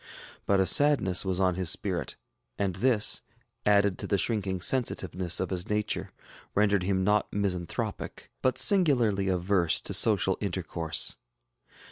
But a sadness was on his spirit; and this, added to the shrinking sensitiveness of his nature, rendered him not misanthropic, but singularly averse to social intercourse.